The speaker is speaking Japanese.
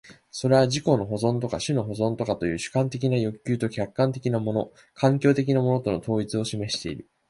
それは自己の保存とか種の保存とかという主観的な欲求と客観的なもの環境的なものとの統一を示している。